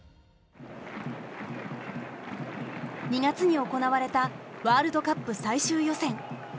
２月に行われたワールドカップ最終予選。